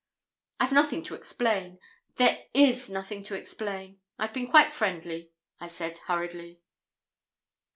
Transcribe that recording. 'I've nothing to explain there is nothing to explain. I've been quite friendly,' I said, hurriedly.